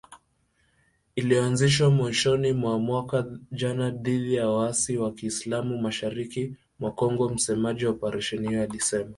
Iliyoanzishwa mwishoni mwa mwaka jana dhidi ya waasi wa kiislam mashariki mwa Kongo msemaji wa operesheni hiyo alisema.